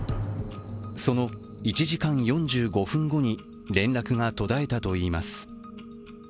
その１時間４５分後に連絡が途絶えたといいます。